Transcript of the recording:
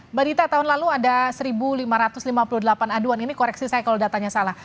mbak dita tahun lalu ada satu lima ratus lima puluh delapan aduan ini koreksi saya kalau datanya salah